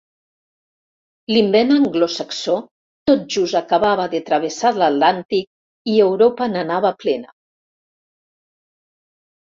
L'invent anglosaxó tot just acabava de travessar l'Atlàntic i Europa n'anava plena.